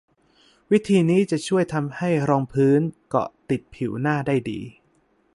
วิธีนี้จะช่วยทำให้รองพื้นเกาะติดผิวหน้าได้ดี